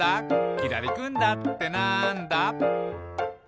「きらりくんだってなんだ？」